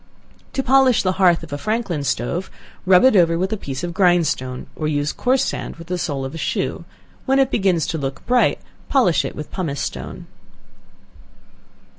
To polish the hearth of a Franklin stove, rub it over with a piece of grindstone, or use coarse sand with the sole of a shoe; when it begins to look bright, polish it with pumice stone.